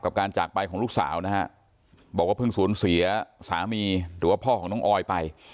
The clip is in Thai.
การจากไปของลูกสาวนะฮะบอกว่าเพิ่งสูญเสียสามีหรือว่าพ่อของน้องออยไป